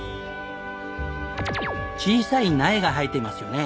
小さい苗が生えていますよね。